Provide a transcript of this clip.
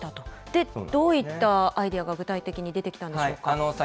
で、どういったアイデアが具体的に出てきたんでしょうか。